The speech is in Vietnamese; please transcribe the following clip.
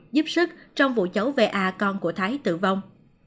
giúp sức trong vụ cháu va con của thái tử vong